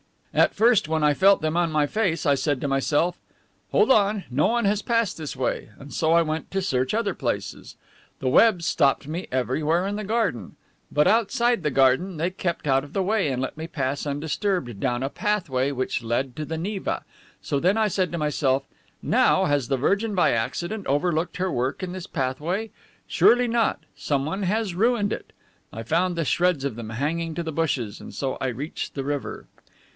At first when I felt them on my face I said to myself, 'Hold on, no one has passed this way,' and so I went to search other places. The webs stopped me everywhere in the garden. But, outside the garden, they kept out of the way and let me pass undisturbed down a pathway which led to the Neva. So then I said to myself, 'Now, has the Virgin by accident overlooked her work in this pathway? Surely not. Someone has ruined it.' I found the shreds of them hanging to the bushes, and so I reached the river."